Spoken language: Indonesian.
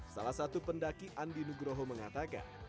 salah satu pendaki andi nugroho mengatakan